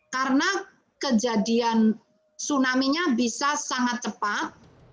karena kejadian tsunaminya bisa sangat cepat